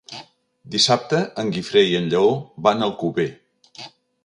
Dissabte en Guifré i en Lleó van a Alcover.